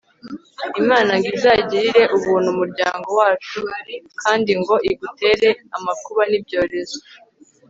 imana ngo izagirire ubuntu umuryango wacu kandi ngo igutere amakuba n'ibyorezo